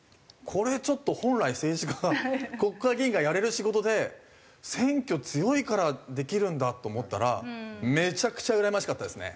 これちょっと本来政治家国会議員がやれる仕事で選挙強いからできるんだと思ったらめちゃくちゃうらやましかったですね。